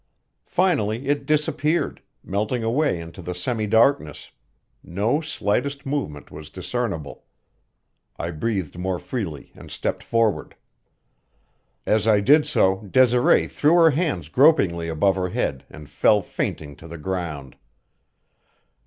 Finally it disappeared, melting away into the semi darkness; no slightest movement was discernible. I breathed more freely and stepped forward. As I did so Desiree threw her hands gropingly above her head and fell fainting to the ground.